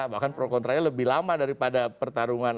bahkan pro kontranya lebih lama daripada pertarungan